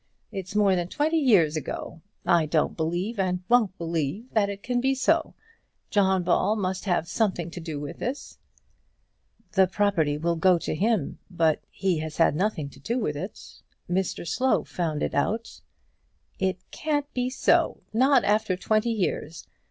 It's more than twenty years ago. I don't believe and won't believe that it can be so. John Ball must have something to do with this." "The property will go to him, but he has had nothing to do with it. Mr Slow found it out." "It can't be so, not after twenty years.